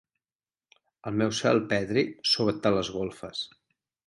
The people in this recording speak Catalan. El meu cel petri sota les golfes.